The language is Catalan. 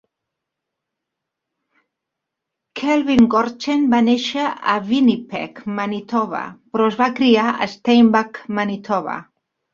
Kelvin Goertzen va néixer a Winnipeg, Manitoba, però es va criar a Steinbach, Manitoba.